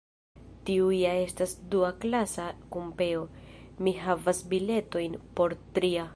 Tiu ja estas duaklasa kupeo; mi havas biletojn por tria.